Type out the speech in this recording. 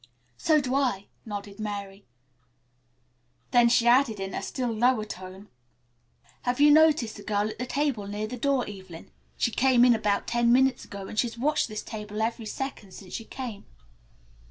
"So do I," nodded Mary, then she added in a still lower tone, "Have you noticed the girl at the table near the door, Evelyn. She came in about ten minutes ago, and she's watched this table every second since she came."